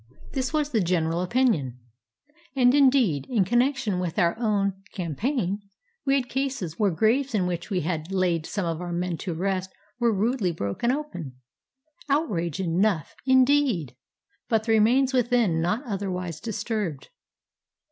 This was the gen eral opinion. And, indeed, in connection with our own 281 AFGHANISTAN campaign we had cases where graves in which we had laid some of our men to rest were rudely broken open, — outrage enough, indeed, — but the remains within not otherwise disturbed.